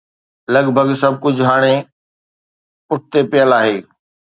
لڳ ڀڳ سڀ ڪجهه هاڻي پٺتي پيل آهي